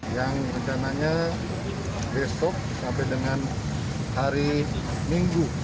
yang rencananya besok sampai dengan hari minggu